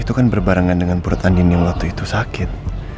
itu kan berbarengan dengan perutan dinding yang waktu itu sakit